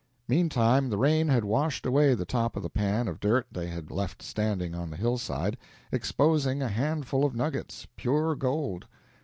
Meantime the rain had washed away the top of the pan of dirt they had left standing on the hillside, exposing a handful of nuggets, pure gold.